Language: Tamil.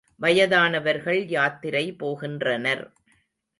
வயதானவர்கள் யாத்திரை போகின்றனர்.